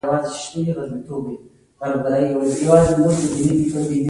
دا اصول د انډريو کارنګي له لارښوونو اخيستل شوي دي.